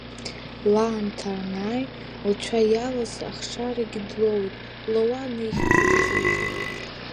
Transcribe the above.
Лаамҭа анааи, лцәа иалаз ахшарагьы длоуит, Лауан ихьӡырҵеит.